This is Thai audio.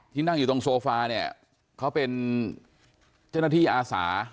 นั่งอยู่ตรงโซฟาเนี่ยเขาเป็นเจ้าหน้าที่อาสา